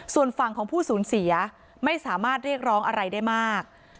ส่วนฝั่งของผู้สูญเสียไม่สามารถเรียกร้องอะไรได้มาก